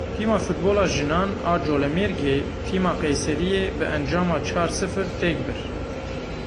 Tîma Futbola Jinan a Colemêrgê, Tîma Qeyseriyê bi encama çar sifir têk bir.